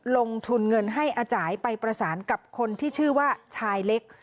ลงทุนเงินให้อาจ่ายไปประสานกับคนที่ชื่อว่าชายเล็ก